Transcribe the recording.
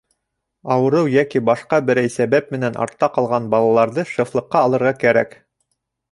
— Ауырыу йәки башҡа берәй сәбәп менән артта ҡалған балаларҙы шефлыҡҡа алырға кәрәк.